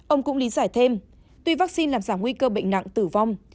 ông cũng lý giải thêm tuy vaccine làm giảm nguy cơ bệnh nặng tử vong